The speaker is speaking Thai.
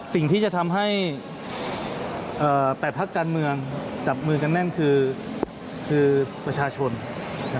สิ่งที่จะทำให้๘พักการเมืองจับมือกันแน่นคือประชาชน